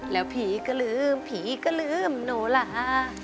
แล้วผีก็ลืมผีก็ลืมโนลา